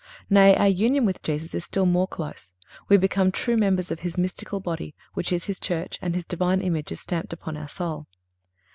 Nay, our union with Jesus is still more close. We become true members of His mystical body, which is His Church, and His Divine image is stamped upon our soul.